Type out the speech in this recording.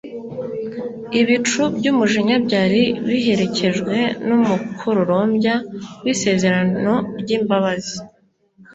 Ibicu by'umujinya byari biherekejwe n'umukororombya w'isezerano ry'imbabazi.